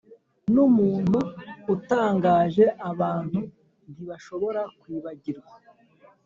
numuntu utangaje, abantu ntibashobora kwibagirwa.